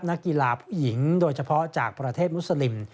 นักกีฬาผู้หญิงโดยเฉพาะจากประเทศมุสลิม